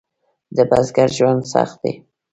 د بزګر ژوند سخت دی؟